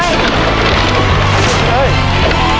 เคยไหม